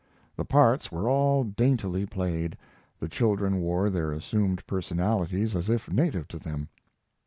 The parts were all daintily played. The children wore their assumed personalities as if native to them.